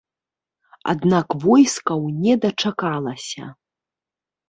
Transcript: Аднак войскаў не дачакалася.